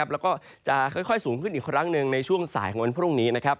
แล้วก็จะค่อยสูงขึ้นอีกครั้งหนึ่งในช่วงสายของวันพรุ่งนี้